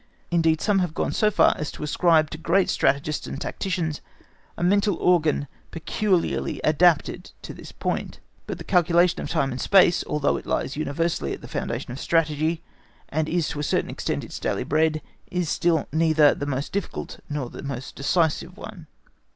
Indeed, some have gone so far as to ascribe to great strategists and tacticians a mental organ peculiarly adapted to this point. But the calculation of time and space, although it lies universally at the foundation of Strategy, and is to a certain extent its daily bread, is still neither the most difficult, nor the most decisive one.